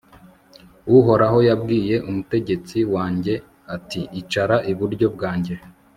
uhoraho yabwiye umutegetsi wanjye, ati icara iburyo bwanjye